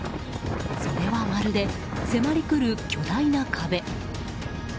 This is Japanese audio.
それはまるで迫り来る巨大な壁。